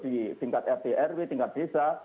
di tingkat rt rw tingkat desa